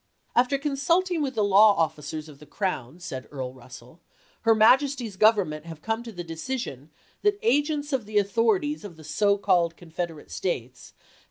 "After consulting with the law officers of the crown," said Earl Russell, " her Majesty's Govern ment have come to the decision that agents of the FOKEIGN RELATIONS IN 1863 263 authorities of the so called Confederate States have chap.